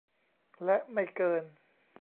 และไม่เกิน